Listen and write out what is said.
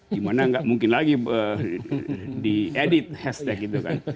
dimana gak mungkin lagi diedit hashtag gitu kan